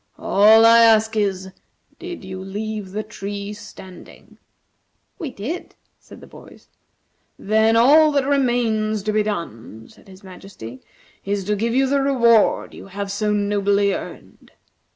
All I ask is, did you leave the tree standing?" "We did," said the boys. "Then all that remains to be done," said His Majesty, "is to give you the reward you have so nobly earned.